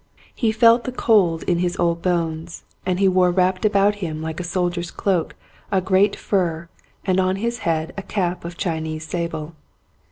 He felt the cold in his old bones and he wore wrapped about him like a soldier's cloak a great fur and on his head a cap of Chinese sable.